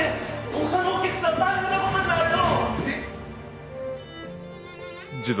他のお客さん大変なことになるよ！